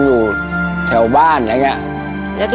อยู่แถวบ้านอะไรอย่างนี้